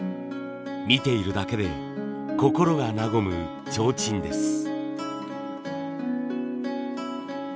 見ているだけで心がなごむちょうちんです。